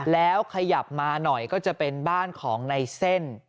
แล้วขยับมาหน่อยก็จะเป็นบ้านของในเส้น